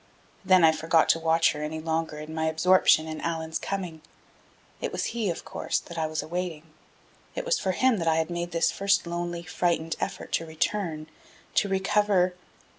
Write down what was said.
Then I forgot to watch her any longer in my absorption in Allan's coming. It was he, of course, that I was awaiting. It was for him that I had made this first lonely, frightened effort to return, to recover....